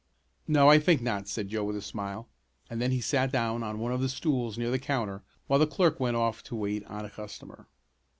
"No, I think not," said Joe with a smile, and then he sat down on one of the stools near the counter while the clerk went off to wait on a customer.